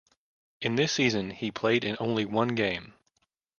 In this season he played in only one game.